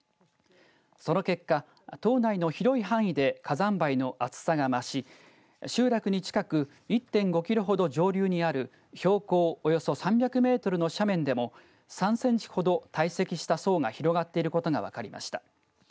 その結果、島内の広い範囲で火山灰の厚さが増し集落に近く１．５キロほど上流にある標高およそ３００メートルの斜面でも３センチほど堆積した層が広がっていることが分かりました。